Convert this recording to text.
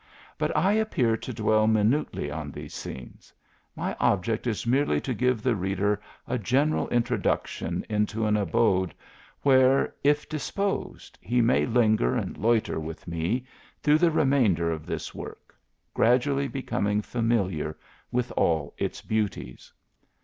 But I appear to dwell minutely on these scenes. My object is merely to give the reader a general introduction into an abode, where, if dis posed, he may linger and loiter with me through the remainder of this work, gradually becoming familiar with all its beauties.